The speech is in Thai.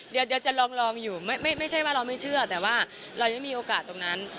เดี๋ยวจะลองอยู่ไม่ใช่ว่าเราไม่เชื่อแต่ว่าเรายังไม่มีโอกาสตรงนั้น